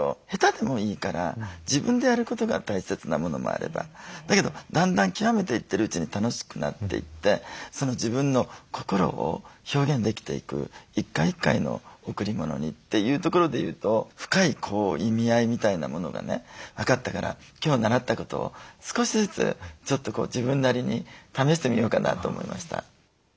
下手でもいいから自分でやることが大切なものもあればだけどだんだんきわめていってるうちに楽しくなっていって自分の心を表現できていく一回一回の贈り物にっていうところで言うと深い意味合いみたいなものがね分かったから今日習ったことを少しずつちょっと自分なりに試してみようかなと思いました。